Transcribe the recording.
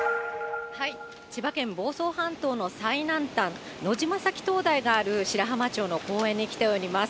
千葉県房総半島の最南端、のじまさき灯台がある白浜町の公園に来ています。